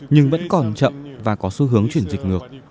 nhưng vẫn còn chậm và có xu hướng chuyển dịch ngược